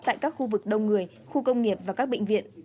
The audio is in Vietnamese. tại các khu vực đông người khu công nghiệp và các bệnh viện